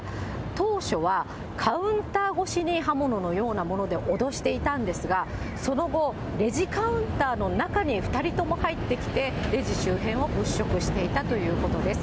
当初はカウンター越しに刃物のようなもので脅していたんですが、その後、レジカウンターの中に２人とも入ってきて、レジ周辺を物色していたということです。